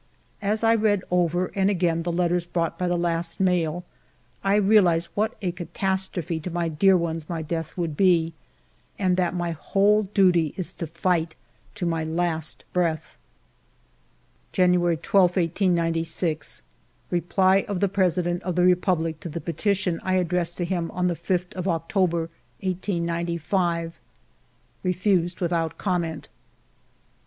As I read over and again the letters brought by the last mail, I realize what a catastrophe to my dear ones my death would be, and that my whole duty is to fight to my last breath. January 12, 1896. Reply of the President of the Republic to the petition I addressed to him on the 5th of October, 1895: —" Refused without comment.'